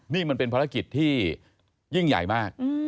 นี่มันเป็นภารกิจที่ยิ่งใหญ่มาก